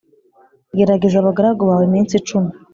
gerageza abagaragu bawe iminsi icumi